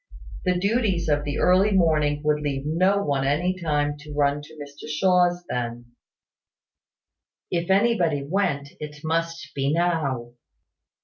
The duties of the early morning would leave no one any time to run to Mr Shaw's then. If anybody went, it must be now.